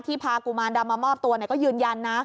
พากุมารดำมามอบตัวก็ยืนยันนะ